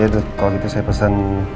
ya kalau gitu saya pesan